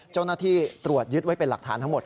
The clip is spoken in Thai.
เจ้าหน้าที่ตรวจยึดไว้เป็นหลักฐานทั้งหมด